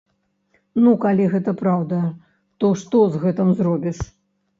Ну калі гэта праўда, то што з гэтым зробіш.